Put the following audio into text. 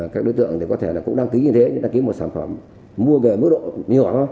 các đối tượng có thể cũng đăng ký như thế đăng ký một sản phẩm mua về mức độ nhỏ